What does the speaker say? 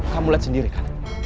kamulah sendiri kanan